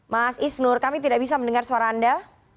mas isnur kami tidak bisa mendengar suara anda